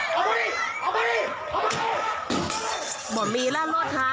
หม่อมีแล้วโลดท้า